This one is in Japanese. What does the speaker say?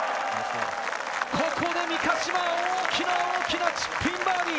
ここで三ヶ島、大きな大きなチップインバーディー。